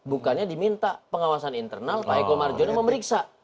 bukannya diminta pengawasan internal pak eko marjono memeriksa